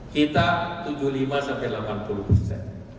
kita tujuh puluh lima sampai delapan puluh persen